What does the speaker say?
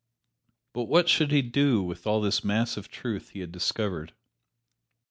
But what should he do with all this mass of truth he had discovered?